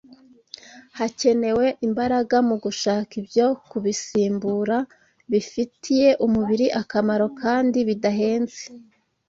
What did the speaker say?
Hakenewe imbaraga mu gushaka ibyo kubisimbura bifitiye umubiri akamaro kandi bidahenze